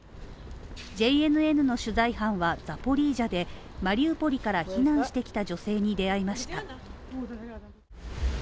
ＪＮＮの取材班はザポリージャでマリウポリから避難してきた女性に出会いました。